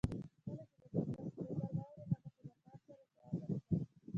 کله چې د بل کس نظر واورئ، هغه ته د پام سره ځواب ورکړئ.